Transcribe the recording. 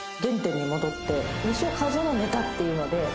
西尾一男のネタっていうので。